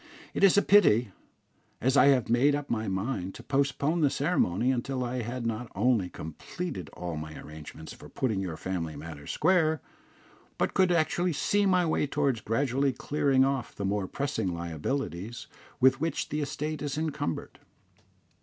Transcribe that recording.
"It is a pity, as I had made up my mind to postpone the ceremony until I had not only completed all my arrangements for putting your family matters square, but could actually see my way towards gradually clearing off the more pressing liabilities with which the estate is encumbered.